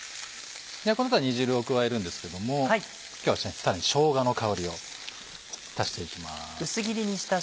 この後は煮汁を加えるんですけれども今日はさらにしょうがの香りを足して行きます。